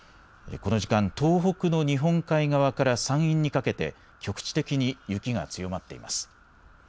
この時間、東北の日本海側から山陰にかけて、局地的に雪が強まっています。